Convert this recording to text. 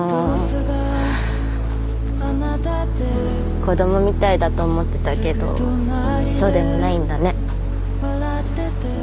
子供みたいだと思ってたけどそうでもないんだね。